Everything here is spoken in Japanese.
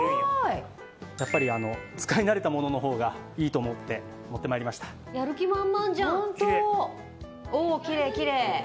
やっぱり使い慣れたものの方がいいと思って持ってまいりました本当！